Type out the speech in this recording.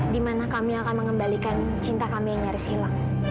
dimana kami akan mengembalikan cinta kami yang nyaris hilang